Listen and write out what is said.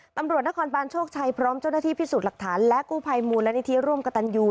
ตำรวจนครบานโชคชัยพร้อมเจ้าหน้าที่พิสูจน์หลักฐานและกู้ภัยมูลนิธิร่วมกับตันยู